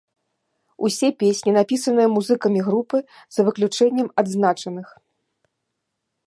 Усе песні напісаны музыкамі групы за выключэннем адзначаных.